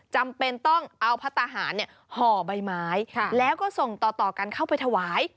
จำเป็นต้องเอาพัฒนาหารห่อใบไม้แล้วก็ส่งต่อกันเข้าไปถวาย